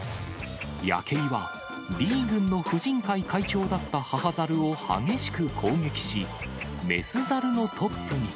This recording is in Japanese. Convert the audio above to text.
ヤケイはＢ群の婦人会会長だった母ザルを激しく攻撃し、雌ザルのトップに。